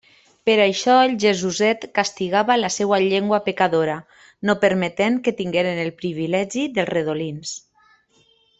Per això el Jesuset castigava la seua llengua pecadora, no permetent que tingueren el privilegi dels redolins.